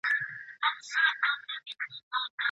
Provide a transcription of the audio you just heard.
زرګران بې هنره نه وي.